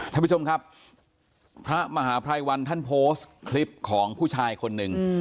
ท่านผู้ชมครับพระมหาภัยวันท่านโพสต์คลิปของผู้ชายคนหนึ่ง